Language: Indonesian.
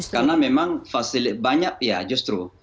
karena memang banyak ya justru